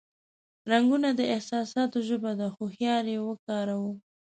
رنگونه د احساساتو ژبه ده، هوښیار یې وکاروه.